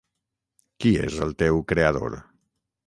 Qui és el teu creador?